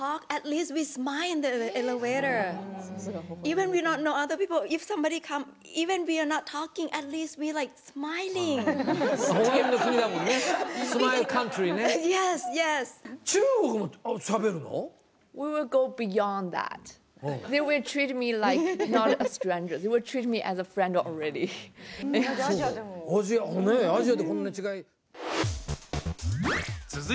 アジアでこんな違い。